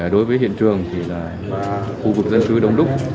đối với hiện trường thì là khu vực dân cư đông đúc